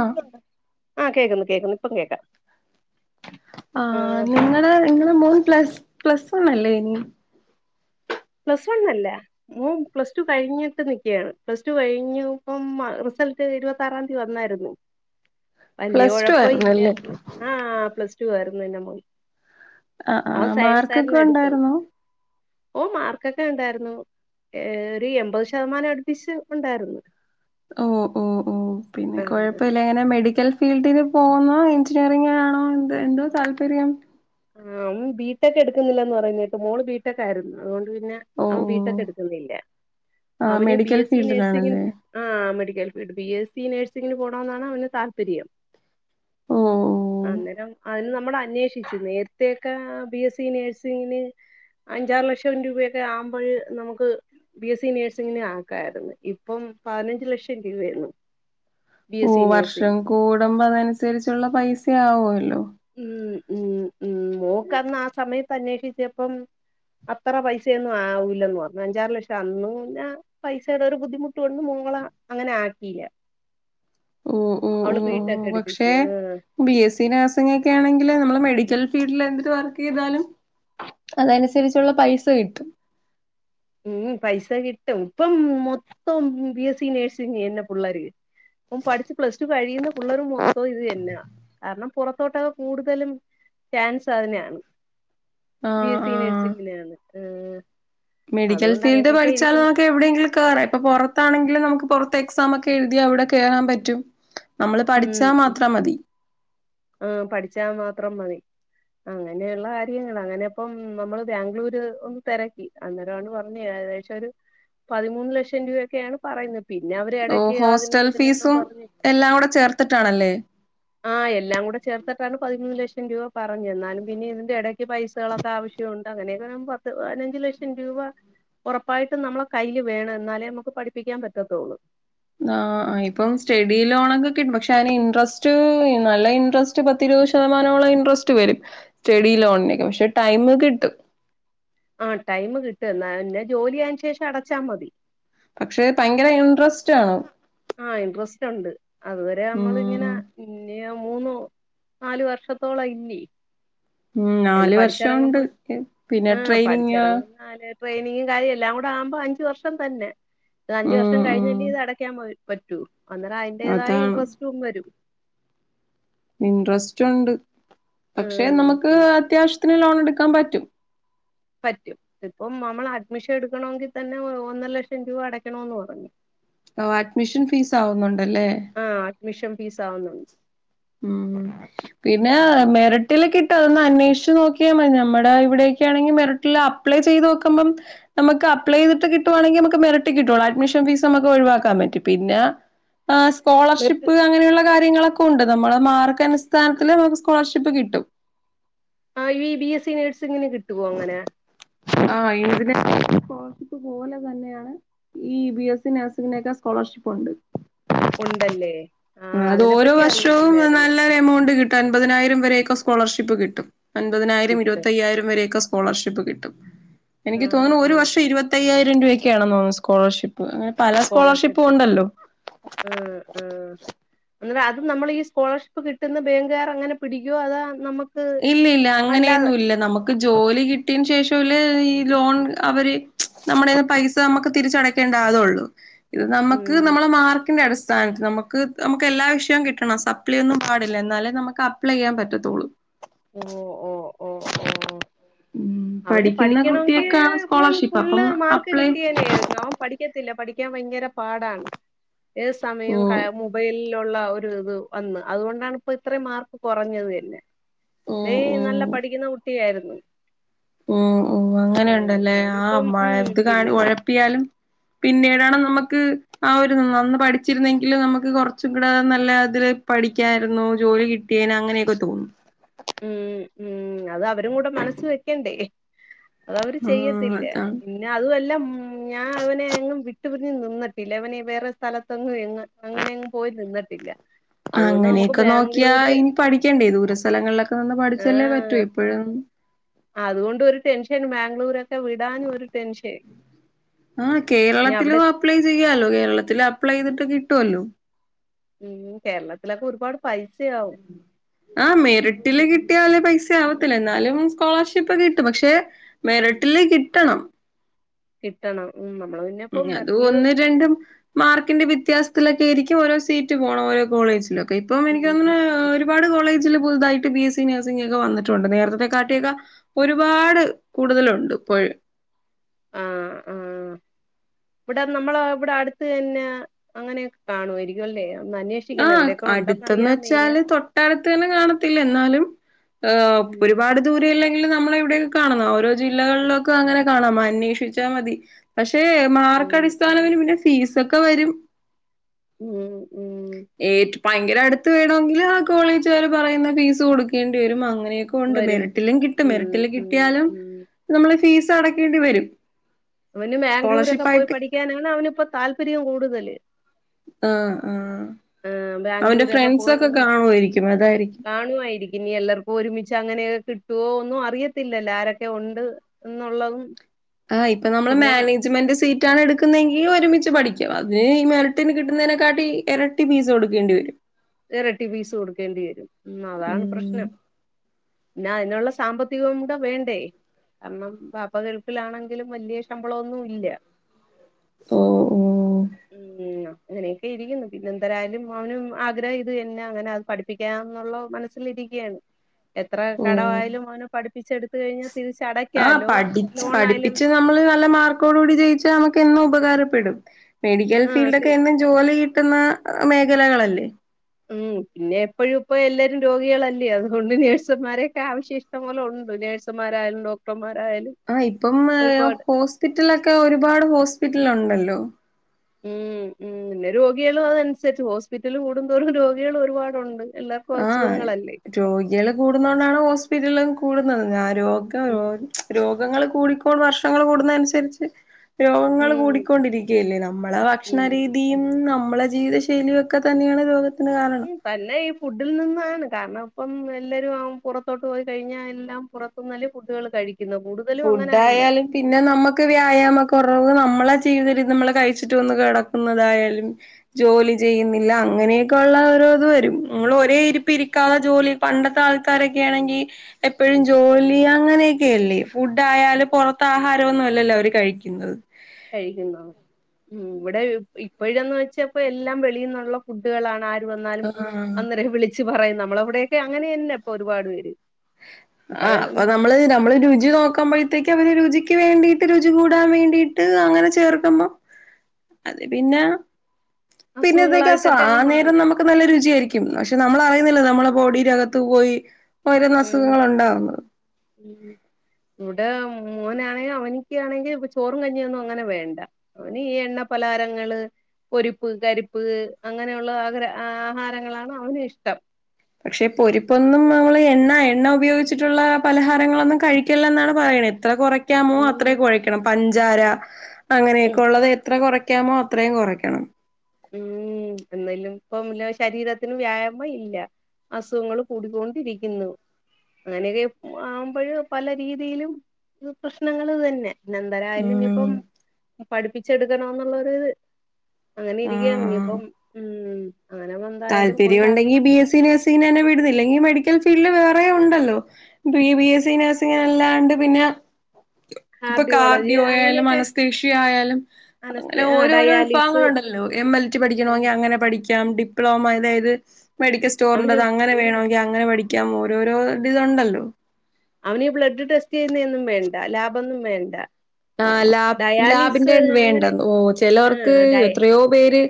ആഹ് ആഹ് കേക്കുന്നു കേക്കുന്നു ഇപ്പം കേൾക്കാം ആഹ് നിങ്ങള് നിങ്ങടെ മോൻ പ്ല പ്ലസ് വൺ അല്ലേ ഇനി പ്ലസ് വൺന്നല്ല ഓന് പ്ലസ് ടു കഴിഞ്ഞിട്ട് നിക്കുകയാണ് പ്ലസ് ടു കഴിഞ്ഞപ്പം റിസൾട്ട് ഇരുപത്തി ആറാം തീയതി വന്നായിരുന്നു [inaudible] വല്യയ ടു കുഴപ്പം ഇന്റെ ആയിരുന്നല്ലേ ആഹ് പ്ലസ് ടു ആയിരുന്നു എന്റെ മോൻ ആഹ് അവൻ ആഹ് മാർക്കൊക്കെ സയൻസർന്ന് എടുത്തത് ഉണ്ടായിരുന്നോ ഓ മാർക്കൊക്കെ ഉണ്ടായിരുന്നു ഏ ഒരു എൺപത് ശതമാനം അടുപ്പിച്ച് ഉണ്ടായിരുന്നു ഓ ഓ ഓ പിന്നെ ആഹ് കുഴപ്പമില്ല അങ്ങനെ മെഡിക്കൽ ഫീൽഡിൽ പോകുന്ന എഞ്ജിനീയറിങ്ങാണോ എന്ത എന്തോ താല്പര്യം ആ ബിടെക് എടുക്കുന്നില്ലന്ന് പറയുന്ന കേട്ട് മോള് ബിടെക്ക് ആയിരുന്നു അതുകൊണ്ട് പിന്നെ ഓഹ് അവൻ ബി ടെ ക്ക് ഓഹ് എടുക്കുന്നില്ല ആഹ് അവന് ബി മെഡിക്കൽ എസ് സി നേഴ്സിങ്ങി ഫീൽഡിലാണല്ലേ ആ medical field B S C നഴ്സിംഗിന് പോണമ എന്നാണ് അവന് താല്പര്യം ഓഹ് ഓഹ് അന്നേരം അതിന് നമ്മൾ അന്വേഷിച്ചു നേ പ്രത്യേക്ക ബി എസ് സി നേഴ്സിംഗിന് അഞ്ചാറ് ലക്ഷം രൂപൊക്കെ ആമ്പോഴ് നമുക്ക് ബി എസ് സി നേഴ്സിങ്ങിന് ആക്കായിരുന്നു ഇപ്പം പതിനഞ്ച് ലക്ഷം രൂപയാണ് ഓ വർഷം കൂടുമ്പോ അതനുസരിച്ചുള്ള പൈസയാവുമല്ലോ ഉം ഉം ഉ മോക്കന്ന് ആ സമയത്ത് അന്വേഷിച്ചപ്പം അത്ര പൈസയൊന്നും ആവൂല്ലന്ന് പറഞ്ഞു അഞ്ചാറ് ലക്ഷം അന്നു പിന്നെ പൈസയുടെ ഒരു ബുദ്ധിമുട്ട് കൊണ്ട് മോളെ അങ്ങനെ ആക്കിയില്ല ഓഹ് ഓഹ് അവൾ ഓഹ് ബി ടെ ക്ക് ഓഹ് പക്ഷേ എടുപ്പിച്ചു ആഹ് ബി എസ് സി നഴ്സിങ്ങ ഒക്കെ ആണെങ്കിൽ നമ്മള് മെഡിക്കൽ ഫീൽഡിൽ എന്തിട്ട് വർക്ക് ചെയ്താലും അതനുസരിച്ചുള്ള പൈസ കിട്ടും ഉം പൈസ കിട്ടും ഇപ്പം മൊത്തം ബി എസ് സി നേഴ്സി ചെയ്യന്നെ പിള്ളേർ പ്പ പഠിച്ച് പ്ലസ് ടു കഴിയുന്ന പിള്ളേർ മൊത്തം ഇത് തന്നെയാ കാരണം പുറത്തോട്ട് ഒകെ കൂടുതലും ചാൻസ് അതിനെയാണ് ബി ആഹ് എസ് സി ആഹ് നഴ്സിങ്ങിനെയാണ് ആ മെഡിക്കൽ ഫീൽഡ് പഠിച്ചാലും നമുക്ക് എവിടെയെങ്കിലും കേറ ഇപ്പൊ പുറത്താണെങ്കിലും നമുക്ക് പുറത്ത് എക്സാം ഒക്കെ എഴുതി അവിടെ കേറാൻ പറ്റും നമ്മള് പഠിച്ചാൽ മാത്രം മതി ആ പഠിച്ചാൽ മാത്രം മതി അങ്ങനെയുള്ള കാര്യങ്ങൾ അങ്ങനെപ്പം നമ്മള് ബാംഗ്ലൂര് ഒന്ന് തിരക്കി അന്നേരംമാണ് പറഞ്ഞ ഏകദേശം ഒരു പതിമൂന്ന് ലക്ഷം രൂപയൊക്കെയാണ് പറയുന്നത് പിന്നെ അവര് ഇടയ്ക്ക് അതിന് ഇതിനൊന്നും പറഞ്ഞ് ഇത് എല്ലാം കൂടെ ചേർത്തിട്ടാണല്ലേ ആഹ് എല്ലാം കൂടെ ചേർത്തിട്ടാണ് പതിമൂന്ന് ലക്ഷം രൂപ പറഞ്ഞു എന്നാലും പിന്നെ ഇതിന്റെ ഇടയ്ക്ക് പൈസകളൊക്ക ആവശ്യമുണ്ട് അങ്ങനെയൊക്കെ പത്ത് പതിനഞ്ചു ലക്ഷം രൂപ ഉറപ്പായിട്ട് നമ്മളെ കയ്യിൽ വേണം എന്നാലേ നമുക്ക് പഠിപ്പിക്കാൻ പറ്റത്തുള്ളൂ ആ ഇപ്പം സ്റ്റഡി ലോണൊക്കെ കിട്ടും പക്ഷെ അതിന് ഇൻറസ്റ്റ് നല്ല ഇൻട്രസ്റ്റ് പത്തിരുപത് ശതമാനോളം ഇൻട്രസ്റ്റ് വരും സ്റ്റഡി ലോണിനക്കെ പക്ഷെ ടൈം കിട്ടും ആ ടൈം കിട്ട എന്നാ പിന്നെ ജോലിയായ ശേഷം അടച്ചാ മതി പക്ഷെ ഭയങ്കര ഇൻട്രസ്റ്റ് ആണ് ആഹ് ഇൻട്രസ്റ്റ് ഉണ്ട് അതുവരെ നമ്മൾ ഉം ഇങ്ങനെ ഇഞ്ഞ് മൂന്ന് നാാലു വർഷത്തോളം ഇല്ലേ ഉം എല്ല നാല് വർഷോണ്ട് പഠിച്ചിറങ്ങുമ്പോ പിന്നെ ആ ട്രെയിനിങ് പഠിച്ചി ഇറങ്ങുമ്പോൾ നാല് ട്രെനിങ്ങും കാര്യ എല്ലാം കൂടെ ആുമ്പോ അഞ്ചച് വർഷം തന്നെ. അത് അഞ്ച വർഷം ഉം ഉം കഴിഞ്ഞല് ഇത് അടയ്ക്കാൻ പറ്റൂ അന്നേരം അതിന്റേതായ അതാണ് ഇൻട്രസ്റ്റ് വരും. ഇൻട്രസ്റ്റ് ഉണ്ട് പക്ഷെ ഉം നമുക്ക് അത്യാവശ്യത്തിന് ലോൺ എടുക്കാൻ പറ്റും. പറ്റും ഇപ്പം നമ്മൾ അഡ്മിഷൻ എടുക്കണമെങ്കിൽ തന്നെ ഒന്നര ലക്ഷം രൂപ. അടയ്ക്കണന്ന് പറഞ്ഞു. ഓ അഡ്മിഷൻ ഫീസ് ആവുന്നുണ്ട്ല്ലേ? ആ അഡ്മിഷൻ ഫീസ് ആവുന്നുണ്ട്. ഉം പിന്നെ ആ ആ മരട്ട മട്ടിൽ കിട്ടുക അതൊന്ന് അന്വേഷച്ച് നോക്കിയാൽ മതി നമ്മുടെ ഇവിയക്കാണെങ്കിൽ മെരട്ടിൽ അപ്ലൈ ചെയ്ത് നോക്കുമ്പം. നമുക്ക് അ്ലൈ ചെയ്തി് കിട്ടുവാണെങ്കിൽ നമക്ക് മെരറ്റ് കിട്ടുള്ള അഡ്മിഷൻീസ് നമക്ക് ഒഴിവാക്കൻ പറ്റും. പിന്നെ ആ് നിർത്ത് സ്കോളർഷിപ്പ് അങ്ങനെയുള്ള കാര്യങ്ങളൊക്കെ. നമ്മള് മാർക്ക് അടിസ്ഥാനത്തില് നമക്ക് സ്കോളർഷിപ്പ് കിട്ടും. ആവിബി എസ് സി നേഴ്സ്ങ്ങനെ കിട്ടുവോ അങ്ങനെ? ആ എൻജിനീയർ കോളർഷിപ്പ് പോലെ തന്നെയാണ്. ഈ ഇ ബി എസ് സി നെഴ്സിങ്ങിനൊക്കെ സ്കോളർഷിപ്പ് ഓണ്ട്. ഉണ്ടല്ലേ ആ അതിനെപ്പറ്റി അറിയത്തില്ലായിര്ന്ന്. പത്തൻപതിനായിരം വരെയൊക്കെ സ്കോളർഷിപ്പ് കിട്ടും. അൻപതിനായിരം കിട്ടും ഇരുപത്തയ്യായിരം വരെ. ക്കെസ്കോളർഷിപ്പ് കിട്ടും ആ എനിക്ക് തോന്നുന്നു ആ ഒരു വർഷം ഇരുപത്തയ്യായിരം രൂപക്കെയാണെന്ന് തോന്നുന്നു സ്കോളർഷിപ്പ്. ഒ പല സ്കോളർഷിപ്പുണ്ടല്ലോ? ഉം ഉം എന്ന അത് നമ്മള് ഈ സ്കോളർഷിപ്പ് കിട്ടുന്ന ബേങ്ക് കര്ങ്ങനെ പിടിക്കുവോ അതാ നമ്മക്ക് ഇല്ല ഇല്ല അങ്ങനെയൊന്നുമില്ല നമക്ക് ക്ക് ജോലി കിട്ടിയന് ശേഷല്ലേ ഈ ലോൺ അവര് നമ്മുടയകെ പൈസ നമ്മക്ക് തിരിച്ചട ക്കെണ്ടതൊള്ളൂ ഇത് നമക്ക് ഉം നമ്മളെ മാർക്കിന്റെ അടിസ്ഥ. സ്ഥാനത്ത് നമക്ക് നമക്കെല്ലാ വിഷയവും കിട്ടണം സപ്ലി ഒന്നും പാടില്ല എന്നാലേ നമക്ക് അപ്ലൈയ്യാൻ പറ്റതൊള്ളൂ. ഓ ഓ ഓ ഓ ഉം അവന് പഠിക്കുന്ന പഠിക്കണെങ്കി കുട്ടിയൊക്കാണ് ഇപ്പം സ്കോളർഷിപ്പ് അപ്പം ഫുള്ള് മാർക്ക് അപ്ലൈ കിട്ടിയേനെയിരുന്നു. അവൻ പഠി പടിക്കത്തില്ല പഠിക്കാൻ ഭയങ്കര പാടാണ് ഏത് സമയോം ഉം മൊബൈലിലുള്ള ഒരു ഇത് വന്ന് അതുകൊണ്ടാണ്പ്പോ ഇത്രേം മാർക്ക് കൊറഞ്ഞത് ത്തന്നെ. ഉം ഡേ ഉം നല്ല പഠിക്ക്ന്ന കുട്ടിയായിരുന്നു. ഉം ഉം ആഹ് അങ്ങനെണ്ട്ല്ലേ ആ അങ്ങനിപ്പം ഉം പിൻ മഴയത്ത് ഒഴപ്പിയാലും. പിന്നീടാണ് നമ്മക്ക് ആ ഒര്അന്ന് പഠിച്ചിരുന്നെങ്കില് നമ്മക്ക് കൊറച്ചും കൂടെ നല്ല അതില്. പഠിക്കായിരുന്നു ജോലി കിട്ടിയേന അങ്ങനെയെക്കെ തോന്നും. ഉം ഉം അത് അവരുംകൂടെ മനസ്സ് വെക്കണ്ടേ? അതവര് ആഹ് ചെയ്യത്തില്ല അതാണ് പിന്നെ അതുംവല്ല ഉ ഞാഅവനെങ്ങും വി വിട്ട്പിരിഞ് നിന്നിട്ടില്ല അവനീവേറെ സ്ഥലത്തൊങ്ങും എങ്ങ അങ്ങനെ പോയി നിന്നിട്ടില്ല. അതുകൊണ്ട് നമുക്ക് അങ്ങനെയൊക്കെ നോക്കിയാ ബാംഗ്ലൂര് ഇനി പഠിക്കണ്ടേ ദൂരെ സ്ഥലങ്ങളിലൊക്കെ നിന്ന് പഠിച്ചല്ലേ പറ്റൂ എപ്പഴും. അതുകൊണ്ടൊരു ടെൻഷൻ ബാംഗ്ലൂരൊക്കെ വിടാനും ഒരു ടെൻഷൻ. ആ ഇനി അവിടെ കേരളത്തിലും അപ്ലൈ ചെയ്യാലോ കേരളത്തില് അപ്ലൈ ചെയ്തിട്ട് കിട്ടുമല്ലോ. ഉം കേരളത്തിലൊക്കൊരുപാട് പൈസയാവും ആഹ ഇത് മെറിട്ടില് കിട്ടിയാല് പൈസ ആവത്തില്ല. എന്നാലും സ്കോളർഷിപ്പ് കിട്ടും. പക്ഷെ മെറിട്ടില് കിട്ടണം. കിട്ടണം ഉം നമ്മള് പിന്നെ ഉം അത് ഒന്ന് രണ്ടും. മാർക്കിന്റെ വ്യത്യാസത്തിലെക്കായിരിക്കും ഓരോ സീറ്റ് പോണോരോ കോളേജിലൊക്കെ ഇപ്പം ഉം ഇൻക്ക്തോന്ന്ണ്. ഉം ഒരുപാട് കോളേജില് പുതുതായിട്ട് ബി എസ് സി നഴ്സിംഗൊക്കെ വന്നിട്ടുണ്ട് നേരത്തെ കാട്ടിയാക്കെ ഒരുപാട് കൂടുതലുണ്ട് ഇപ്പഴും ആഹ് ആഹ് ഇവിടെ നമ്മള ഇവടടുത്ത് തന്നെ അങ്ങനെയെക്കെ കാണുമായിരിക്കുംഅല്ലെ അന്വേഷി അഹ് അടുത്തന്ന് വെച്ചാല് തൊട്ടട്ത്തന്നെ കാണത്തില്ല എന്നാലും ആഹ് ഉം ഒരുപാട് ദൂരെയില്ലെങ്കിലും നമ്മളെവിടെക്കെ കാണുന്ന ഓരോ ജില്ലകളിലൊക്കെങ്ങനെ കാണാമ അന്വേഷിച്ചാ മതി പക്ഷേ ഉം മാർക്കടിസ്ഥാനവ ഉം പിന്നെ ഫീസൊക്കെ വരും. ഉം ഉം ഏറ്റ് ഭയങ്കര അടുത്ത് വേണോങ്കില് കോളേജ്ക്കാര് പറയുന്ന ഫീസ് കൊടുക്കേണ്ടി വരും അങ്ങനെയൊക്കെ ക്കൊണ്ട് വരും മെറിറ്റിലും കിട്ടും ഉം മെരറ്റില് ഉം കിട്ടിയാലും ഉം നമ്മള് ഫീസ് അടക്കേണ്ടി വരും അവന് ബാംഗ്ലൂരൊക്കെ സ്കോളർഷിപ്പ് പോയി ആയിട്ട് പഠിക്കാനാണ് അവന്പ്പൊ താല്പര്യം കൂടുതല് ആഹ് ആഹ് ആ, അവന്റെ ബാംഗ്ലൂരൊക്കെ ഫ്രണ്ട്സൊക്കെ കാണുമായിരിക്കും അതായിരിക്കും. ക്കുവായിരിക്കും ഇനി എല്ലോർക്കും ഒരുമിച്ചങ്ങനെയൊക്കെ കിട്ടോ ഒന്നും അറിയത്തില്ലല്ലോ ആരൊക്കെ ഉണ്ട് എന്നുള്ളതും ആഹ് ഇപ്പനമ്മളെ പിന്നെ മാനേജ ജ്മെന്റ് സീറ്റാണ് എടുക്ക്ന്നെങ്കി ഒരുമിച്ച് പഠിക്കും അത് ഈ മെറീട്ടിന് കിട്ടുന്നതിനെക്കാട്ടി എര [unintelligible] ഫീസ് കൊടുക്കേണ്ട വരും ഇരട്ടി പീസ് കൊടുക്കേണ്ടി വരും ഉം അതാണ് ഉം പ്രശ്നം പിന്നാ അതിനുള്ള സാമ്പത്തികം കൂടെ വേണ്ടേ കാരണം പാപ്പ കേൾക്കിലാണെങ്കിലും വലിയ ശമ്പളൊന്നുംല്ല ഓഹ് ഉം അങ്ങനെയൊക്കെ ഇരിക്കുന്നു പിന്നെ എന്തരയാലും അവനും ആഗ്രഹം ഇത് എന്നന്നെ അങ്ങനെ അത് പഠിപ്പിക്കാ എന്നുള്ള മനസ്സിലിരിക്കുകയാണ് എത്ര ഓ കടവായയാലും ഓന പഠിപ്പിച്ച എടുത്ത കഴിഞ്ഞാൽ ആ തിരിച്ചടക്കാലോ പഠിച്ച് ലോണായാലും പഠിപ്പിച്ച് നമ്മള് നല്ല മാർക്കോടടി ജയിച്ചാൽ നമുക്ക് എന്നും ഉപകാരപ്പെടും മെഡിക്കൽ ആ ഫീൽഡക്കെ ജോലി കിട്ടുന്ന മേഖലകളല്ലേ ഉം പിന്നെ എപ്പോഴും ഇപ്പോ എല്ലാവരും രോഗികളല്ലേ അതുകൊണ്ട് നേഴ്സുമാരെയൊക്കെ ആവശ്യ ഇഷ്ടങ്ങള ഉണ്ട് നേഴ്സുമാരായാലും ഡോക്ടർമാരായാലും ആഹ് ഇപ്പം ഒരുപാട് ഹോസ്പിറ്റലൊക്കെ ഒരുപാട് ഹോസ്പിറ്റല ഉണ്ടല്ലോ ഉം ഉം പിന്നെ രോഗികളും അതനുസരിച്ച് ഹോസ്പിറ്റല കൂടുന്തോറും രോഗികൾ ഒരുപാടുണ്ട് എല്ലാ ആഹ് രോഗികൾ കൂടുന്ന കൊണ്ടാണ് ഹോസ്പിറ്റലും കൂടുന്നത് ഞാ രോഗം ഉം രോഗങ്ങള്ൾ കൂടിക്കോട് വർഷങ്ങൾ കൂടുന്ന അനുസരിച്ച് രോഗങ്ങൾ ഉം കൂടിക്കൊണ്ടിരിക്കുകയല്ലേ നമ്മളെ ഉം ഭക്ഷണരീതിയും നമ്മളെ ജീവിതശൈലിയൊക്കെ തന്നെയാണ് രോഗത്തിന് കാരണം തന്നെ ഈ ഫുഡിൽ നിന്നാണ് കാരണം ഇപ്പം എല്ലാവരും പുറത്തോട്ട് പോയി കഴിഞ്ഞാ എല്ലാം പു ഇപ്പം നല്ല ഫുഡുകൾ കഴിക്കുന്ന കൂ ഫുഡ്യാല് പിന്നെ നമ്മുക്ക് വ്യായാമക്കുറവ് നമ്മളെ ജീവിത ര നമ്മള് കഴിച്ചിട്ട് ഒന്ന് കിടക്കുന്നതായാലും ജോലി ചെയ്യുന്നില്ല അങ്ങനെ ഒക്ക ഉള്ളഓരോത് വരും നമ്മൾ ഒരേ ഇരിപ്പ് ഇരിക്കാതെ ജോലി പണ്ടത്തെ ആൾക്കാരൊക്കെ ആണെങ്കിൽ എപ്പോഴും ജോലി അങ്ങനെയൊക്കെയല്ലേ ഫുഡ ആയാല് പുറത്ത ആഹാരംന്നും അല്ലല്ലോ അവര് കഴിക്കുന്നത് കഴിക്കുന്ന ഉം ഇവിടെ ഇപ്പോഴാന്ന് വെച്ചപ്പോ എല്ലാം വെളിയന്നുള്ള ഫുഡുകളാണ് ആ വന്നാലും ആഹ് അന്നേരക്കെ വിളിച്ച് പറയും നമ്മളവിടെയൊക്കെ അങ്ങനെ തന്നെ ഇപ്പൊ ഒരുപാട് പേര് ഈ പറയ ആഹ് അപ്പ നമ്മ നമ്മള് നമ്മള് രുചി നോക്കുമ്പഴ്ത്തേക്ക് അവര് രുചിക്ക് വേണ്ടിട്ട് രുചി കൂടാൻ വേണ്ടിയിട്ട് അങ്ങനെ ചേർ [unintelligible] അത് പിന്നാ പിന്നത്തേക്ക് സ അസുഖങ്ങളായിട്ടൊക്കെ ആ അങ്ങ് നേരം മാറും നമ്മക്ക് നല്ല രുചിയായിരിക്കും പക്ഷെ നമ്മളറിയുന്നില്ലാ നമ്മളെ ബോഡിടകത്ത് പോയി [unintelligible] ഉം ഉണ്ടാവുന്നത് ഉം ഇവിടെ മോനാണെങ്കി അവനിക്കാണെങ്കി ചോറും കഞ്ഞിയൊന്നും അങ്ങനെ വേണ്ടാ അവനീ എണ്ണ പലാരങ്ങള് പൊരിപ്പ് കരിപ്പ് അങ്ങനെയുള്ള ആഗ്ര ആഹാരങ്ങളാണ് അവന് ഇഷ്ട്ടം പക്ഷെ പൊരിപ്പൊന്നും നമ്മള് എണ്ണ എണ്ണ ഉപയോഗിച്ചിട്ടുള്ള പലഹാരങ്ങളൊന്നും കഴിക് ക്കെല്ലെന്നാണ് പറയുന്നെ എത്ര കൊറ ക്കാമോ ഉം അത്രേം കൊഴക്കണം പഞ്ചാര ഉം അങ്ങനെയൊക്കെ ഒള്ളത് എത്ര കൊറക് ക്കാമോ അത്രയും കൊറയ്ക്കണം ഉം എന്നാലും ഇപ്പം ശരീരത്തിനും വ്യായാമം ഇല്ലാ അസുഖങ്ങള് കൂടിക്കോണ്ടിരിക്കുന്നു അങ്ങനെയൊക്കെ ആവുമ്പഴ് പല രീതിയിലും പ്രശ്നങ്ങള് തന്നെ പിന്നെ എന്തരായാലും ഉം ഇനിയിപ്പം പഠിപ്പിച്ചെടുക്കണോന്നുള്ളൊരു അങ്ങനെ ഇരിക്കാണ് ഇനി ആഹ് ഇപ്പം ഉം അങ്ങനെ വൻ താല്പര്യം ഒണ്ടെങ്കി ബി എസ് സി നെഴ്സിങ്ങിന് തന്നെ വിട്ന്നില്ലെങ്കി മെഡിക്കൽ ഫീൽഡിൽ വേറേം ഒണ്ടല്ലോ ഇപ്പ ഈ ബി ബി എസ് സി നേഴ്സിങ്ങിന് അല്ലാണ്ട് പിന്നെ ഇപ്പൊ കാർഡിയോളജി കാർഡിയേ ആയാലും അങ്ങനെയൊക്കെ അനസ്തേഷ്യ ആയാലും അനസ്ത അങ്ങനെ ആ ഓരോരോ ഡയാലിസ് വിഫാഗങ്ങളൊണ്ടല്ലോ എം എൽ ടി പഠിക്കണോങ്കി അങ്ങനെ പഠിക്ക് ക്കാം ഡിപ്ലോമ അതായത് മെഡിക്കൽ അവന് സ്റ്റോറിൻ്റെത് അങ്ങനെ വേണോ ക്കാം അങ്ങനെ പഠിക്കാം ഓരോരോ ഇത് ഒണ്ടല്ലോ. അവനീ ബ്ലഡ് ടെസ്റ്റ് ചെയ്യുന്നൊന്നും വേണ്ടാ ലാബൊന്നും വേണ്ടാ. ആഹ് ലാബ് ലാബിന്റെ വേണ്ട അങ്ങനെ ഓഹ് ചെലോർക്ക് ആ ഡയ എത്രയോ പേര്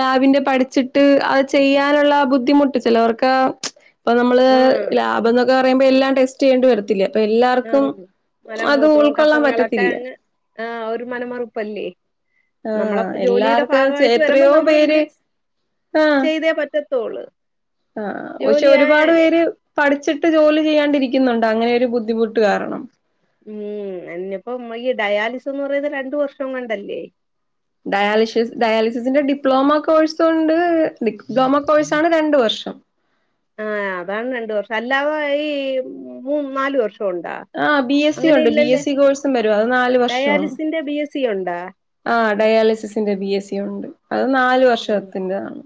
ലാബിന്റെ പഠിച്ചിട്ട് അത് ചെയ്യാനുള്ള ബുദ്ധിമുട്ട് ചിലവർക്കാ ഇപ്പം നമ്മള് ആ ലാബ്ന്നൊക്കെ പറയുമ്പോ എല്ലാം ടെസ് റ്റ് ചെയ്യേണ്ടി വരത്തില്ലേ അപ്പൊ ആ എല്ലാർക്കും അത് ഉൾക്കൊള്ളാൻ പറ്റത്തില്ലാ. ആഹ് ഒര് മനമറുപ്പല്ലേ ആ നമ്മളപ് ജോലീടെ എല്ലാർക്കും ഭാഗവായിട്ട് വരുമ്പോ എത്രയോ നമ്മള് പേര് പിന്നെ ചെയ്തേ പറ്റത് ത്തോളള് ആഹ് ആഹ് പക്ഷെ ഒരുപാട് പേര് പഠിച്ചിട്ട് ജോലി ചെയ്യാണ്ടിരിക്കുന്നുണ്ട് അങ്ങനൊരു ബുദ്ധിമുട്ട് കാരണം. ഉം എന്നിപ്പം ഈ ഡയാലിസിസ് എന്ന് പറയുന്നത് രണ്ടു വർഷം കൊണ്ടല്ലേ? ഡയാലിഷ്യസ് ഡയാലിസിസിന്റെ ഡിപ്ലോമ കോഴ്സൊണ്ട് ഡിപ്ലോമ കോഴ്സാണ് രണ്ട് വർഷം. ആഹ് അതാണ് രണ്ട് വർഷം അല്ലാതെ ഈ മൂ നാലു വർഷം ഒണ്ടാ? ആഹ് ബി എസ് സി ഒണ്ട് ബി എസ് സി കോഴ്സും വരും അത് നാലു വർഷാണ്. ഡയാലിസിന്റെ ബി എസ് സി ഉണ്ടാ ആഹ് ഡയാലിസിസിന്റെ ബി എസ് സി ഒണ്ട് അത് നാലു വർഷത്തിൻ്റെതാണ്.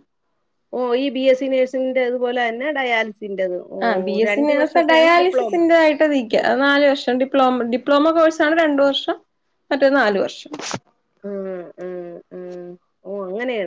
ഓഹ് ഈ ബി എസ് സി നേഴ്സിങ്ങിന്റെ അതുപോലെ തന്നെ ഡയാലിസിൻ്റെതും ആഹ് ബി എ സി [unintelligible] ഡയാലിസിന്റെതായിട്ട് നിക് ക്കാ അത് നാല് വർഷം ഡിപ്ലോ ഡിപ്ലോമ കോഴ്സ്സാണ് രണ്ട് വർഷം മറ്റേ നാല് വർഷം. ഉ ഉം ഉം ഓഹ് അങ്ങനെയാണ്.